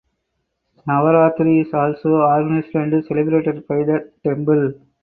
Navaratri is also organised and celebrated by the temple.